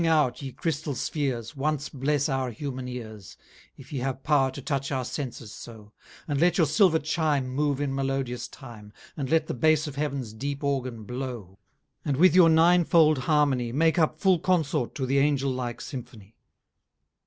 XIII Ring out ye Crystall sphears, Once bless our human ears, (If ye have power to touch our senses so) And let your silver chime Move in melodious time; And let the Base of Heav'ns deep Organ blow, 130 And with your ninefold harmony Make up full consort to th'Angelike symphony.